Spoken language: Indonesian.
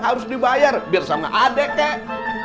harus dibayar biar sama adik kak